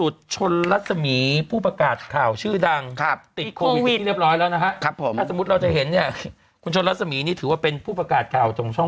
ตัวใหญ่มากหลุดหยั่นยาวเนาะ